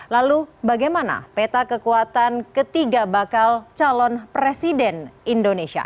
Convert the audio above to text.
lalu bagaimana peta kekuatan ketiga bakal calon presiden indonesia